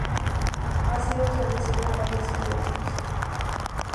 Ha sido traducida a varios idiomas.